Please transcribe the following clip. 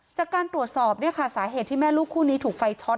จากการตรวจสอบเนี่ยค่ะสาเหตุที่แม่ลูกคู่นี้ถูกไฟช็อต